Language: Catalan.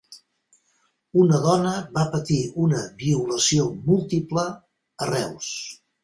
Una dona va patir una violació múltiple a Reus